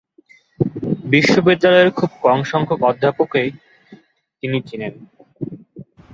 বিশ্ববিদ্যালয়ের খুব কমসংখ্যক অধ্যাপককেই তিনি চেনেন।